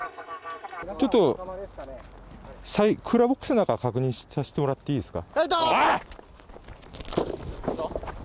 ちょっと、クーラーボックスの中、確認させてもらっていいですか。